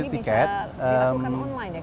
ini bisa dilakukan online ya